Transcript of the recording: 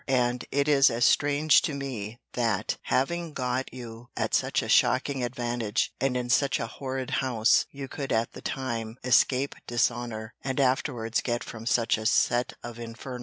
And it is as strange to me, that, having got you at such a shocking advantage, and in such a horrid house, you could, at the time, escape dishonour, and afterwards get from such a set of infernals.